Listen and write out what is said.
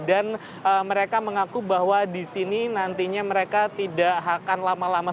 dan mereka mengaku bahwa di sini nantinya mereka tidak akan lama lama